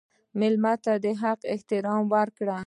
مېلمه ته د حق احترام ورکړه.